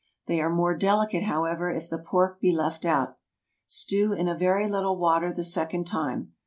They are more delicate, however, if the pork be left out. Stew in a very little water the second time.